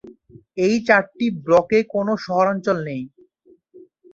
এই চারটি ব্লকে কোনো শহরাঞ্চল নেই।